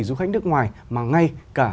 du khách nước ngoài mà ngay cả